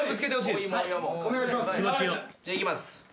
いきます。